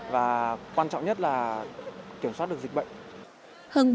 và quan trọng nhất là kiểm soát được dịch bệnh